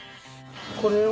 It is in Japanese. これを。